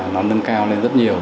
nó nâng cao lên rất nhiều